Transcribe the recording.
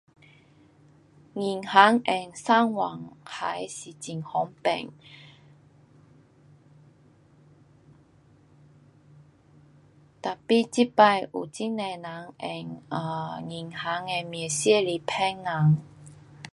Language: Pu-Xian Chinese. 银行用上网 um 它是很方便。tapi 这次有很多人用 um 银行的名声来骗人。